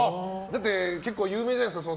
だって結構有名じゃないですか。